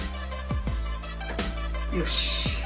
よし！